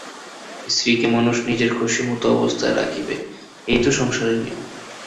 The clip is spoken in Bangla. স্ত্রীকে মানুষ নিজের খুশিমতো অবস্থায় রাখিবে এই তো সংসারের নিয়ম।